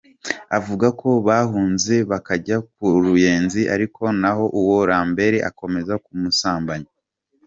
Avuga ko bahunze bakajya ku Ruyenzi ariko n’aho uwo Lambert agakomeza kumusambanya.